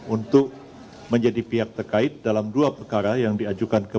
untuk menjadi pihak terkait dalam dua perkara yang diajukan